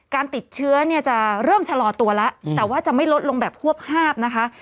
การติดเชื้อเนี่ยจะเริ่มชะลอตัวแล้วแต่ว่าจะไม่ลดลงแบบควบฮาบนะคะ